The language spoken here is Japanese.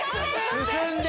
進んで！